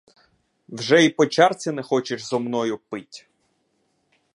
Вже й по чарці не хочеш зо мною пить.